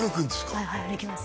はいはい歩きます